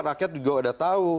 rakyat juga udah tahu